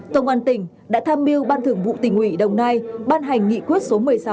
công an tỉnh đã tham mưu ban thường vụ tỉnh ủy đồng nai ban hành nghị quyết số một mươi sáu